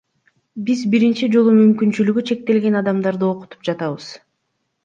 Биз биринчи жолу мүмкүнчүлүгү чектелген адамдарды окутуп жатабыз.